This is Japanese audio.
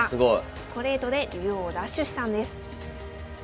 ストレートで竜王を奪取したんです。